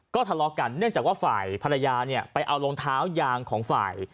ก็ทะเลาะกันเนื่องจากว่าฝ่ายภรรยาเนี่ยไปเอารองเท้ายางของฝ่าย